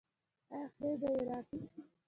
آیا خدای به یې راکړي؟